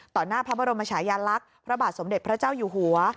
หน้าพระบรมชายาลักษณ์พระบาทสมเด็จพระเจ้าอยู่หัว